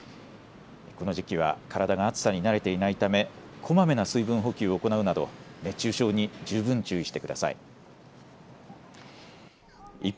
この時期は、体が暑さに慣れていないため、こまめな水分補給を行うなど、熱中症に十分注意してください。